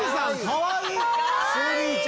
かわいい！